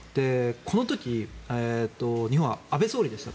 この時、日本は安倍総理でした。